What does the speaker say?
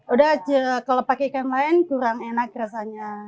udah kalau pakai ikan lain kurang enak rasanya